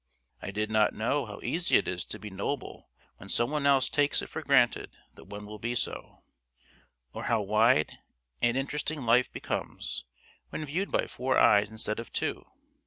I did not know how easy it is to be noble when some one else takes it for granted that one will be so; or how wide and interesting life becomes when viewed by four eyes instead of two.